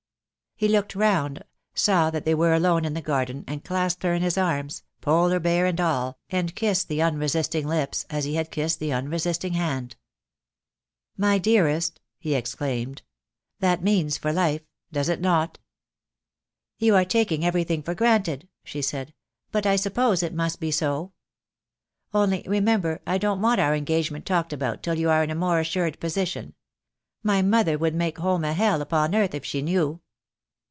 He looked round, saw that they were alone in the garden and clasped her in his arms, polar bear and all, and kissed the unresisting lips, as he had kissed the un resisting hand. "My dearest," he exclaimed, "that means for life, does it not?" "You are taking everthing for granted," she said; "but I suppose it must be so. Only remember I don't want our engagement talked about till you are in a more assured position. My mother would make home a hell upon earth, if she knew."